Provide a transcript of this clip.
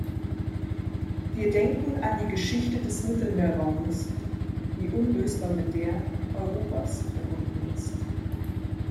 Wir denken an die Geschichte des Mittelmeerraums, die unlösbar mit der Europas verbunden ist.